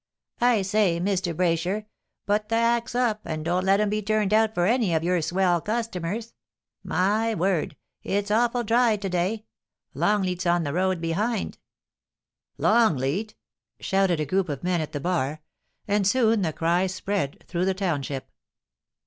* I say, Mr. Braysher, put the 'acks up, and don't let 'em be turned out for any of your swell customers. My word I it's awful dry to day — Longleat's on the road behind.' 'Longleatr shouted a group of men at the bar; and soon the cry spread through the township.